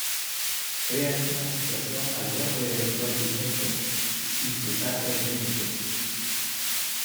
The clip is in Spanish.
Crean una situación al borde del rompimiento, sin cruzar ese límite.